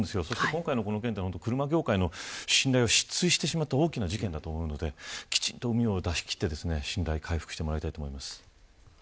今回のこの件は車業界の信頼を失墜してしまった大きな事件だと思うのできっちりうみを出し切って信頼回復に努めてもらいたいと思います。